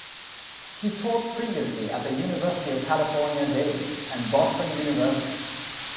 He taught previously at the University of California, Davis and Boston University.